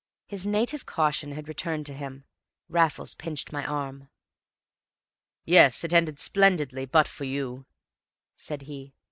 His native caution had returned to him. Raffles pinched my arm. "Yes, it ended splendidly, but for you," said he.